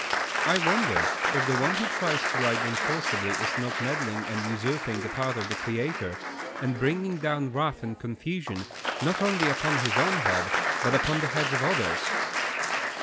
I wonder if the one who tries to right them forcibly is not meddling, and usurping the part of the Creator, and bringing down wrath and confusion not only upon his own head, but upon the heads of others?